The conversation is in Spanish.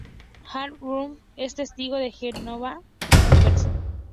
Hank Marvin es Testigo de Jehová converso.